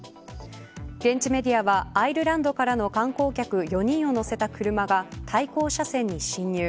現地メディアはアイルランドからの観光客４人を乗せた車が対向車線に進入。